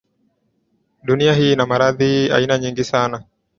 Dunia hii ina maradhi aina nyingi sana.